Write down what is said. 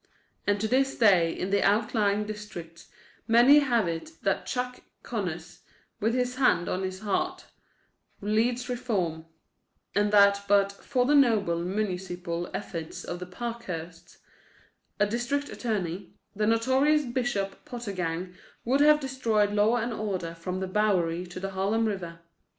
And to this day in the outlying districts many have it that Chuck Connors, with his hand on his heart, leads reform; and that but for the noble municipal efforts of one Parkhurst, a district attorney, the notorious "Bishop" Potter gang would have destroyed law and order from the Bowery to the Harlem River.